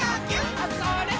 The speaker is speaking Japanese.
あ、それっ！